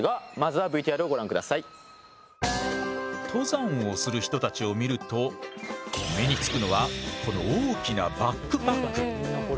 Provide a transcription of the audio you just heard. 登山をする人たちを見ると目につくのはこの大きなバックパック。